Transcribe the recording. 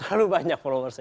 terlalu banyak followersnya